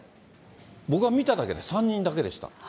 僕が見ただけで３人だけでした。